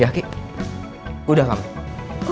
ya ki udah kamu